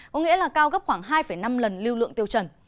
có nghĩa là cao gấp khoảng hai năm lần lưu lượng tiêu chuẩn